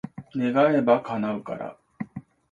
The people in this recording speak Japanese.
願えば、叶うから。